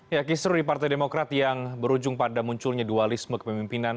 ya kisru di partai demokrat yang berujung pada munculnya dualisme kepemimpinan